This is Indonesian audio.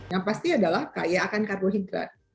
yang pasti adalah kaya akan karbohidrat